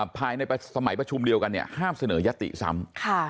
ภายในสมัยประชุมเดียวกันเนี่ยห้ามเสนอยติซ้ำ